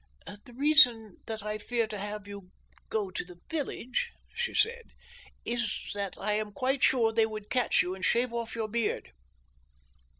"The reason that I fear to have you go to the village," she said, "is that I am quite sure they would catch you and shave off your beard."